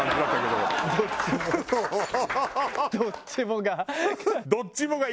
どっちもが。